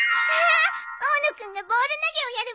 大野君がボール投げをやる番だわ！